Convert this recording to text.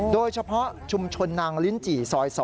โดยเฉพาะชุมชนนางลิ้นจี่ซอย๒